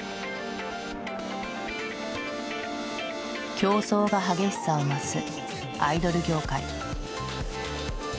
競争が激しさを増すアイドル業界。